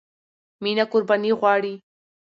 مینه قربانی غواړي.